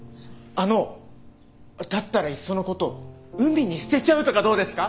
あのだったらいっそのこと海に捨てちゃうとかどうですか？